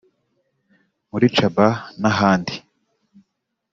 muri Tchamba n’ahandi